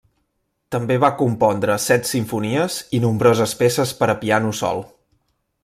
També va compondre set simfonies i nombroses peces per a piano sol.